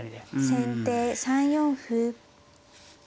先手３四歩。